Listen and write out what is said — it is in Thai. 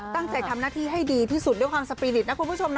ตั้งใจทำหน้าที่ให้ดีที่สุดด้วยความสปีริตนะคุณผู้ชมนะ